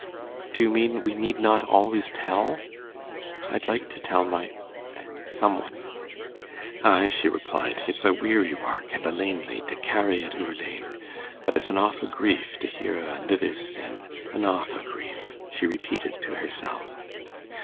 "Do you mean we need not always tell? I'd like to tell my some one." "Ay," she replied, "it's a weary wark and a lanely to carry it oor lane, but it's an awfu' grief to hear o' anither's sin. An awfu' grief," she repeated to herself.